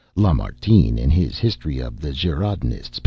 Lamartine, in his "History of the Girondists," p.